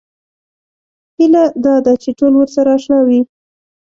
هیله دا ده چې ټول ورسره اشنا وي.